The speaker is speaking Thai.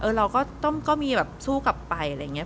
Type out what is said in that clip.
อืมเราก็ต้องก็มีแบบสู้กลับไปอะไรจงนี้